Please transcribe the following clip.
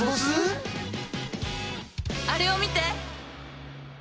あれを見て！